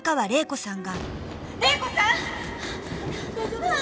玲子さん。